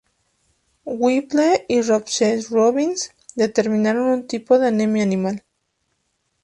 Whipple y Robscheit-Robbins determinaron un tipo de anemia animal.